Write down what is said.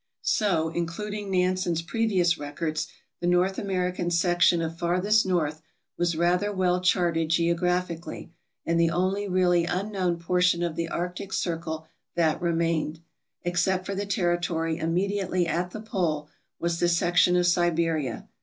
So, including Nansen's previous records, the North American section of "farthest north" was rather well charted geograph ically, and the only really unknown portion of the arctic circle that remained, except for the territory immediately at the pole, was the section of Siberia.